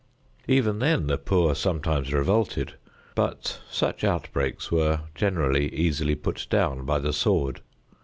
Even then the poor sometimes revolted, but such outbreaks were generally easily put down by the sword.